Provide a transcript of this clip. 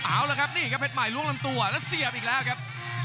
เอาละครับนี่ครับเพชรใหม่ล้วงลำตัวแล้วเสียบอีกแล้วครับ